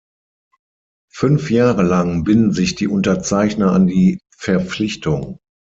Fünf Jahre lang binden sich die Unterzeichner an die Verpflichtung.